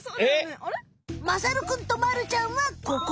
まさるくんとまるちゃんはここ。